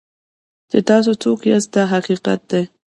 چې تاسو څوک یاست دا حقیقت دی.